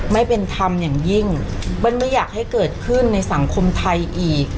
ไม่เป็นธรรมอย่างยิ่งเบิ้ลไม่อยากให้เกิดขึ้นในสังคมไทยอีก